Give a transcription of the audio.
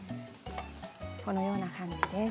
このような感じです。